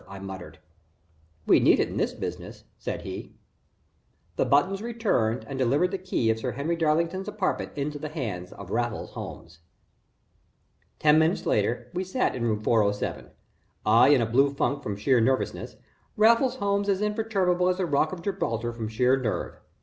I muttered. "We need it in this business," said he. The buttons returned and delivered the key of Sir Henry Darlington's apartment into the hands of Raffles Holmes. Ten minutes later we sat in room 407 I in a blue funk from sheer nervousness, Raffles Holmes as imperturbable as the rock of Gibraltar from sheer nerve.